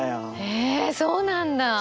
えそうなんだ。